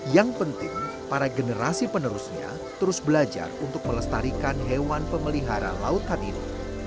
yang penting para generasi penerusnya terus belajar untuk melestarikan hewan pemelihara lautan ini